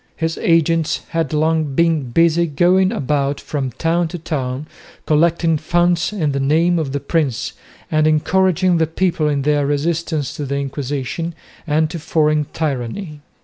His agents had long been busy going about from town to town collecting funds in the name of the prince and encouraging the people in their resistance to the Inquisition and to foreign tyranny.